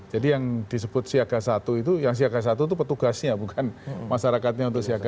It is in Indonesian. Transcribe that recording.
jadi yang disebut siaga satu itu yang siaga satu itu petugasnya bukan masyarakatnya untuk siaga satu